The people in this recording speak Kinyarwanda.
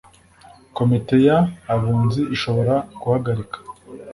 Komite y Abunzi ishobora guhagarika